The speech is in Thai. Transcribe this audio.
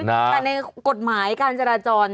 แต่ในกฎหมายการจราจร